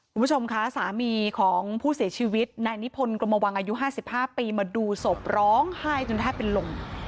คุณผู้ชมคะสามีของผู้เสียชีวิตนายนิพนธ์กรมวังอายุ๕๕ปีมาดูศพร้องไห้จนแทบเป็นลม